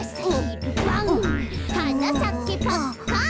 「はなさけパッカン」